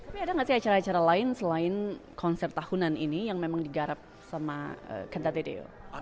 tapi ada nggak sih acara acara lain selain konser tahunan ini yang memang digarap sama kentatedeo